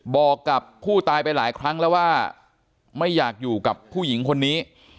บอกกับผู้ตายไปหลายครั้งแล้วว่าไม่อยากอยู่กับผู้หญิงคนนี้